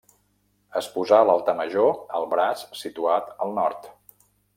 Es posà l'altar major al braç situat al nord.